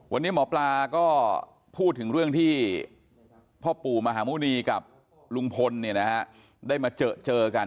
วันนี้หมอปลาก็พูดถึงเรื่องที่พ่อปู่มหาหมุณีกับลุงพลได้มาเจอกัน